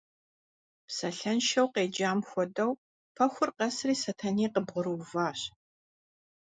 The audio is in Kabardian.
Псалъэншэу къеджам хуэдэу, пэхур къэсри Сэтэней къыбгъурыуващ.